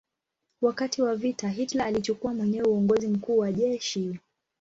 Wakati wa vita Hitler alichukua mwenyewe uongozi mkuu wa jeshi.